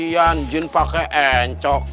lagian jun pake encok